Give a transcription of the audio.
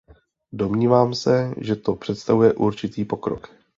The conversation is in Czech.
Domnívám se, že to představuje určitý pokrok.